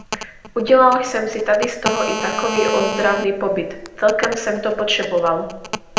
Udělal jsem si tady z toho i takový ozdravný pobyt - celkem jsem to potřeboval.